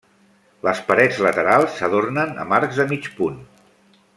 Les parets laterals s'adornen amb arcs de mig punt.